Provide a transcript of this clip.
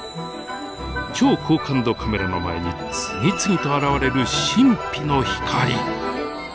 超高感度カメラの前に次々と現れる神秘の光。